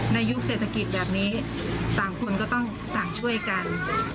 ยุคเศรษฐกิจแบบนี้ต่างคนก็ต้องต่างช่วยกัน